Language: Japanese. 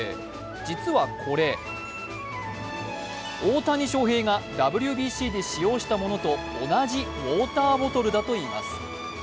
実はこれ大谷選手がＷＢＣで使用したものと同じウォーターボトルだといいます。